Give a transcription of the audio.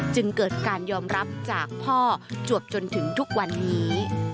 จึงเกิดการยอมรับจากพ่อจวบจนถึงทุกวันนี้